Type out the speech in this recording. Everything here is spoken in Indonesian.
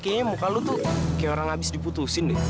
kayaknya muka lo tuh kayak orang abis diputusin deh